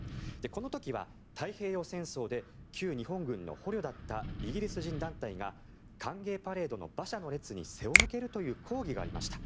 この時は太平洋戦争で旧日本軍の捕虜だったイギリス団体が歓迎パレードの馬車の列に背を向けるという抗議がありました。